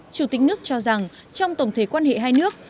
chủ tịch nước cho rằng trong tổng thể quan hệ hai nước